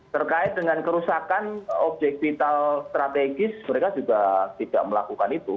terkait dengan kerusakan objek vital strategis mereka juga tidak melakukan itu